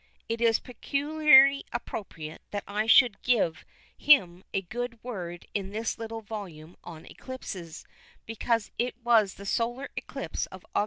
It is peculiarly appropriate that I should give him a good word in this little volume on eclipses, because it was the solar eclipse of Aug.